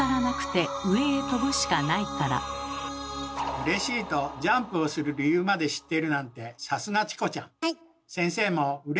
うれしいとジャンプをする理由まで知ってるなんてさすがチコちゃん。